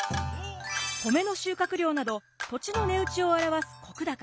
米の収穫量など土地の値打ちを表す石高。